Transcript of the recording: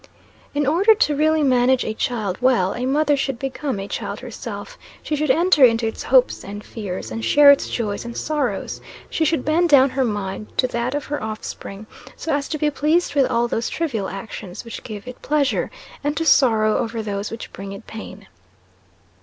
In order to really manage a child well, a mother should become a child herself; she should enter into its hopes and fears, and share its joys and sorrows; she should bend down her mind to that of her offspring, so as to be pleased with all those trivial actions which give it pleasure, and to sorrow over those which bring it pain.